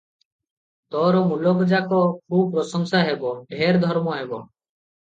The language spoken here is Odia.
ତୋର ମୁଲକଯାକ ଖୁବ୍ ପ୍ରଶଂସା ହେବ, ଢେର ଧର୍ମ ହେବ ।